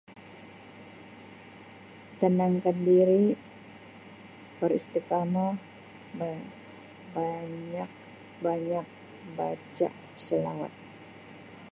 Tenangkan diri, beristiqamah, ba-banyak-banyak baca selawat.